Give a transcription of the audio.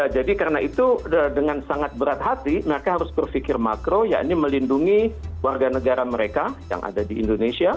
jadi karena itu dengan sangat berat hati mereka harus berpikir makro yakni melindungi warga negara mereka yang ada di indonesia